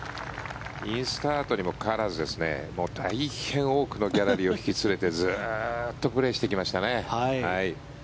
インスタートにもかかわらず大変多くのギャラリーを引き連れてずっとプレーしてきましたね。